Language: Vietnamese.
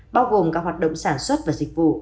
bao gồm các hoạt động sản xuất và dịch vụ